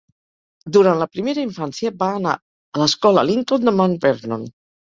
Durant la primera infància va anar a l'escola Lincoln de Mount Vernon.